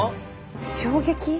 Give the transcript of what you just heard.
衝撃？